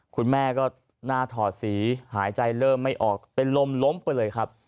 คุณแม่ก็หน้าถอดสีหายใจเริ่มไม่ออกเป็นลมล้มไปเลยครับ